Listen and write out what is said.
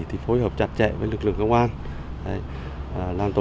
đã góp phần tạo truyền biến mạnh mẽ